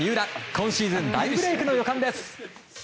今シーズン大ブレークの予感です。